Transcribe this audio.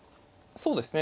そうですね。